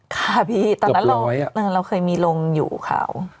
ค่ะพี่ตอนนั้นเราเคยมีลงอยู่ค่ะ